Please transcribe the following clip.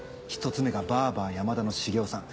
１つ目が「バーバー山田の茂夫さん」。